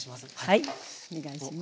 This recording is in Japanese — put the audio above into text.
はいお願いします。